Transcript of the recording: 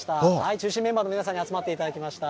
中心メンバーの皆さんに集まっていただきました。